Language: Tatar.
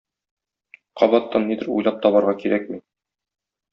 Кабаттан нидер уйлап табарга кирәкми.